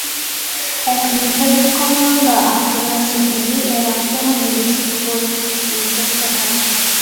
এক মিটারের কম লম্বা আখ গাছগুলি এর আক্রমণে বেশি ক্ষতিগ্রস্ত হয়।